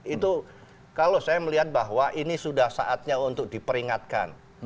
itu kalau saya melihat bahwa ini sudah saatnya untuk diperingatkan